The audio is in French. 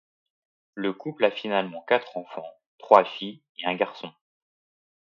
Le couple a finalement quatre enfants—trois filles et un garçon.